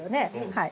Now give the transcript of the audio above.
はい。